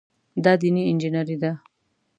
دا دیني انجینیري ده.